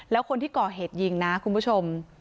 แล้วคนที่ก่อเหตุยิงนะคุณผู้ชม